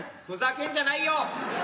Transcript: ふざけんじゃないよ。